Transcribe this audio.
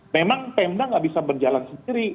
memang pemda nggak bisa berjalan sendiri